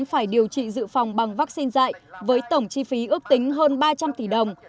phải điều trị dự phòng bằng vaccine dạy với tổng chi phí ước tính hơn ba trăm linh tỷ đồng